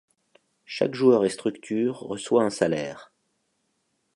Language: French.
Chaque joueur et structure reçoit un salaire.